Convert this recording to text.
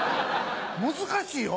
難しいよ。